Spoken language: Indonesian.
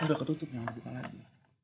udah ketutup jangan buka lagi